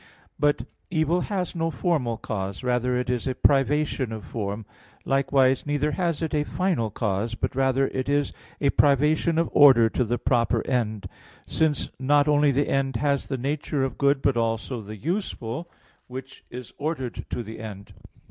But evil has no formal cause, rather is it a privation of form; likewise, neither has it a final cause, but rather is it a privation of order to the proper end; since not only the end has the nature of good, but also the useful, which is ordered to the end.